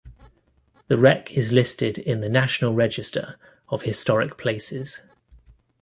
The wreck is listed in the National Register of Historic Places.